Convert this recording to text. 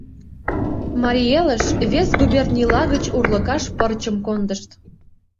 Марий элыш вес губернийла гыч урлыкаш пырчым кондышт.